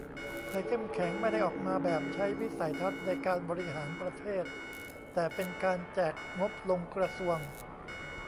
ไทยเข้มแข็งไม่ได้ออกมาแบบใช้วิสัยทัศน์ในการบริหารประเทศ แต่เป็นการแจกงบลงกระทรวง